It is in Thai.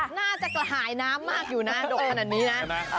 น่าจะกระหายน้ำมากอยู่นะดกขนาดนี้นะ